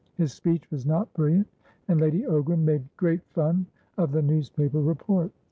His speech was not brilliant, and Lady Ogram made great fun of the newspaper report.